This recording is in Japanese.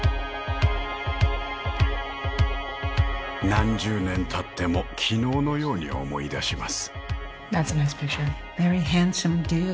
何十年たっても昨日のように思い出します。